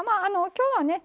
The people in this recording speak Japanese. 今日はね